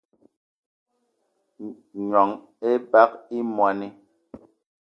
Gnong ebag í moní